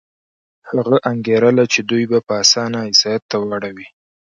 هغه انګېرله چې دوی به په اسانه عیسایت ته واوړي.